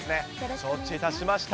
承知いたしました。